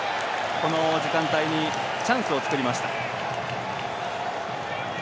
この時間帯にチャンスを作りました。